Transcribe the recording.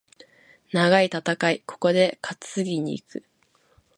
長い戦い、ここで担ぎに行く。